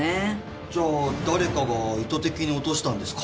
じゃあ誰かが意図的に落としたんですか？